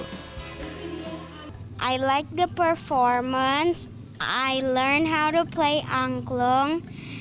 saya suka performa saya belajar bagaimana memainkan angklung